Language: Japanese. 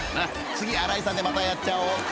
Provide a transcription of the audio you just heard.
［次新井さんでまたやっちゃおうっと］